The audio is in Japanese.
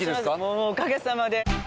もうおかげさまで。